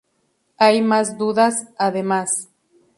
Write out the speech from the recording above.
Hay más dudas, además.